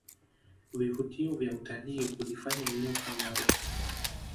Vivutio vya utalii hulifanya eneo kuwa maarufu